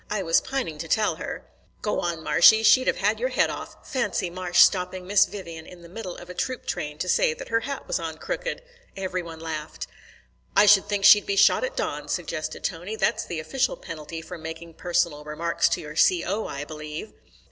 I was pining to tell her." "Go on, Marshy! She'd have had your head off. Fancy Marsh stopping Miss Vivian in the middle of a troop train to say her hat was on crooked!" Every one laughed. "I should think she'd be shot at dawn," suggested Tony. "That's the official penalty for making personal remarks to your C.O., I believe."